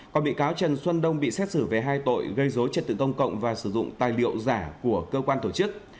còn bị cáo trần xuân đông bị xét xử về hai tội gây dối trật tự công cộng và sử dụng tài liệu giả của cơ quan tổ chức